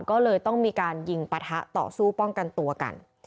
ก็เลยต้องมีการยิงปะทะต่อสู้ป้องกันตัวกัน